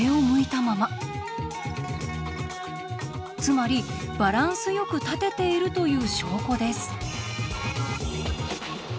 つまりバランスよく立てているという証拠です。